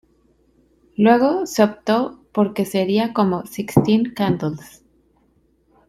Luego se optó por que sería como "Sixteen Candles".